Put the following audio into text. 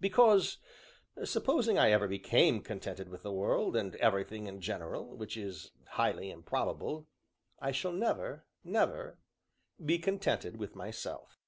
"Because, supposing I ever became contented with the world, and everything in general, which is highly improbable, I shall never, never be contented with myself."